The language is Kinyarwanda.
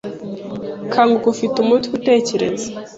Kanguka ufite umutwe utekereza